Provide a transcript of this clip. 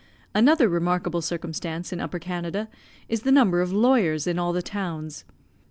Another remarkable circumstance in Upper Canada is the number of lawyers in all the towns.